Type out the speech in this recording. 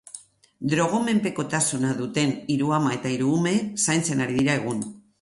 Drogomenpekotasuna duten hiru ama eta hiru ume zaintzen ari dira egun.